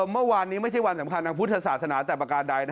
เมื่อวานนี้ไม่ใช่วันสำคัญทางพุทธศาสนาแต่ประการใด